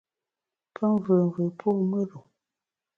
Pe mvùùmvù po mùr-u.